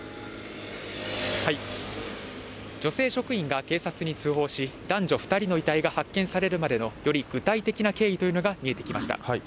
女性職員が警察に通報し、男女２人の遺体が発見されるまでのより具体的な経緯というのが見えてきました。